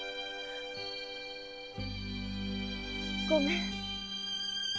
ごめん。